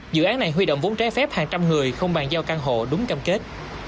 dự án này huy động vốn trái phép hàng trăm người không bàn giao căn hộ đúng cam kết